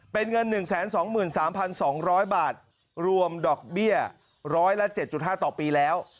เป็นเงิน๑๒๓๒๐๐บาทรวมดอกเบี้ยร้อยละ๗๕ต่อปีแล้ว